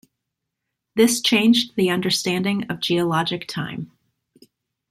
This changed the understanding of geologic time.